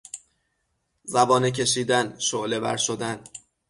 زبانه کشیدن، شعله ور شدن